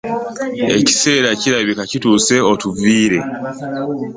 Ekiseera kirabika kituuse otuviire.